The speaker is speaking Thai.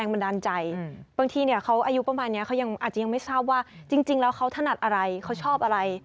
บันดาลใจบางทีเนี่ยเขาอายุประมาณนี้เขายังอาจจะยังไม่ทราบว่าจริงแล้วเขาถนัดอะไรเขาชอบอะไร